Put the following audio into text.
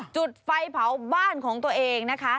จุดไฟเผาบ้านของตัวเองนะคะ